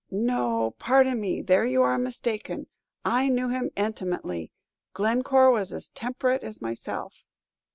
"No, pardon me, there you are mistaken. I knew him intimately; Glencore was as temperate as myself."